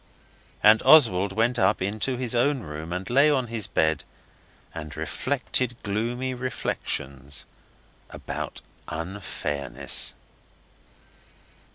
And Oswald went up into his own room and lay on his bed, and reflected gloomy reflections about unfairness.